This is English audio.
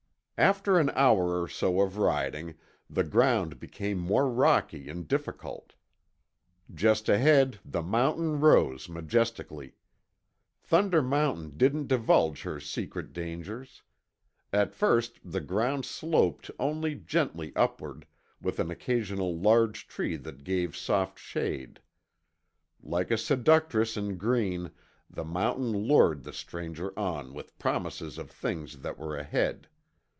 After an hour or so of riding, the ground became more rocky and difficult. Just ahead the mountain rose majestically. Thunder Mountain didn't divulge her secret dangers. At first the ground sloped only gently upward, with an occasional large tree that gave soft shade. Like a seductress in green, the mountain lured the stranger on with promises of things that were ahead.